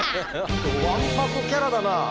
わんぱくキャラだな。